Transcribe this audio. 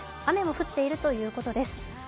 雨も降っているということです。